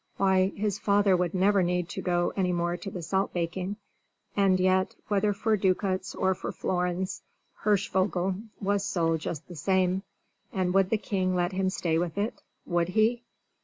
Why, his father would never need to go any more to the salt baking! And yet, whether for ducats or for florins, Hirschvogel was sold just the same, and would the king let him stay with it? would he?